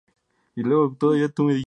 Del autor